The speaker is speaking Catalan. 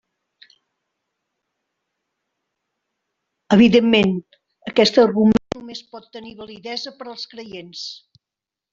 Evidentment, aquest argument només pot tenir validesa per als creients.